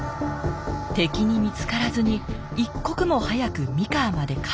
敵に見つからずに一刻も早く三河まで帰り着く。